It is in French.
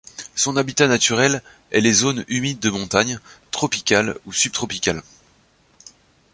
Son habitat naturel est les zones humides de montagne, tropicales ou subtropicales.